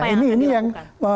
apa yang akan dilakukan